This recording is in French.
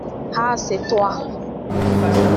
Ah, c’est toi?